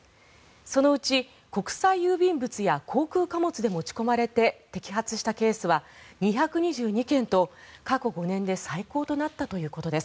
そのうち、国際郵便物や航空貨物で持ち込まれて摘発したケースは２２９件と過去５年で最高となったということです。